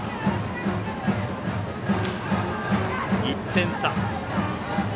１点差。